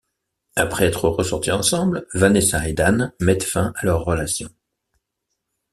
Après être ressortis ensembles, Vanessa et Dan mettent fin à leur relation.